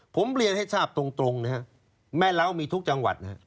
ผมเรียนให้ทราบตรงนะฮะแม่เล้ามีทุกจังหวัดนะฮะ